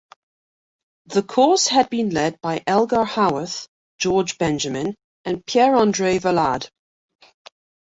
The course has been led by Elgar Howarth, George Benjamin and Pierre-Andre Valade.